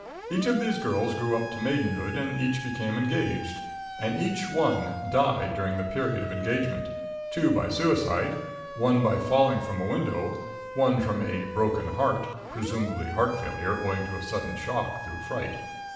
Each of these girls grew up to maidenhood and each became engaged, and each one died during the period of engagement, two by suicide, one by falling from a window, one from a 'broken heart' (presumably heart failure, owing to sudden shock through fright).